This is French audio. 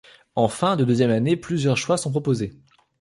En fin de deuxième année, plusieurs choix sont proposés.